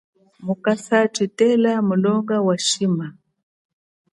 Musaka tshitela welo wa shima.